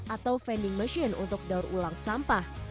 atau vending machine untuk daur ulang sampah